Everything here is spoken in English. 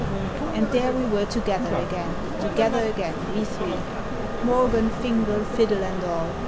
And there we were together again — Together again, we three : Morgan, Fingal, fiddle, and all.